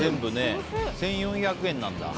１４００円なんだ。